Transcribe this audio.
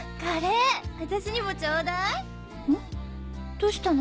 どうしたの？